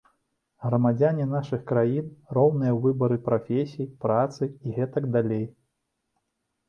Грамадзяне нашых краін роўныя ў выбары прафесій, працы і гэтак далей.